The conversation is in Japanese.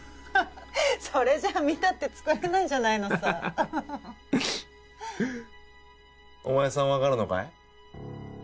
それじゃ見たって作れないじゃないのさお前さん分かるのかい？